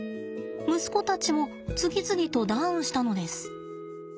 息子たちも次々とダウンしたのです。